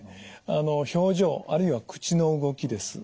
あの表情あるいは口の動きです。